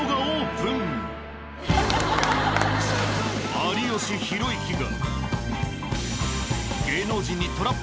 有吉弘行が。